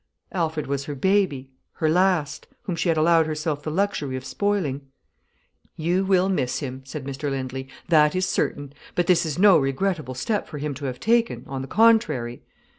Alfred was her baby, her last, whom she had allowed herself the luxury of spoiling. "You will miss him," said Mr Lindley, "that is certain. But this is no regrettable step for him to have taken—on the contrary."